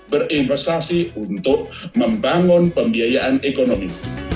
berinvestasi untuk membangun pembiayaan ekonomi